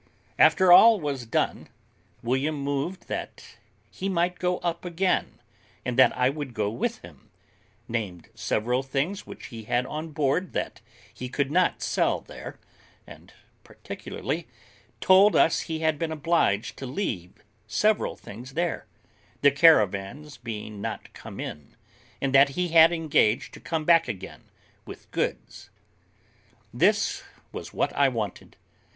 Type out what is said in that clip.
After all was done, William moved that he might go up again, and that I would go with him; named several things which we had on board that he could not sell there; and, particularly, told us he had been obliged to leave several things there, the caravans being not come in; and that he had engaged to come back again with goods. This was what I wanted.